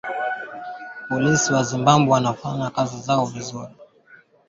Polisi wa Zimbabwe mwishoni mwa wiki walikizuia chama kikuu cha upinzani nchini humo